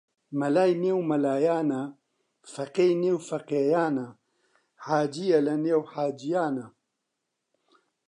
مەلای نێو مەلایانە فەقێی نێو فەقێیانە حاجیە لە نێو حاجیانە